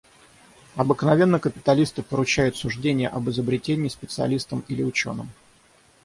Обыкновенно капиталисты поручают суждение об изобретении специалистам или ученым.